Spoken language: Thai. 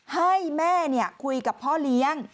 ให้แม่คุยกับพ่อเลี้ยง